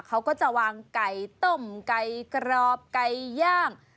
เขาก็จะวางไก่ต้มไก่กรอบไก่ย่าง